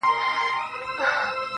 چي ستا د حسن پلوشې چي د زړه سر ووهي